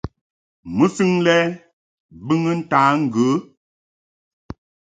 Mɨsɨŋ lɛ bɨŋɨ ntǎ ŋgə.